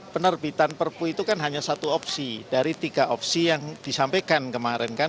penerbitan perpu itu kan hanya satu opsi dari tiga opsi yang disampaikan kemarin kan